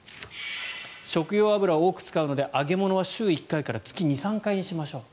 食用油を多く使うので油は週１回から月２３回にしましょう。